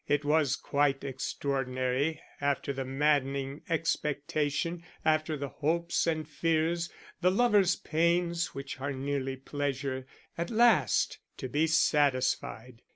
It was quite extraordinary, after the maddening expectation, after the hopes and fears, the lover's pains which are nearly pleasure, at last to be satisfied.